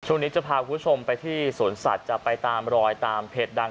ช่วงนี้จะพาคุณผู้ชมไปที่สวนสัตว์จะไปตามรอยตามเพจดัง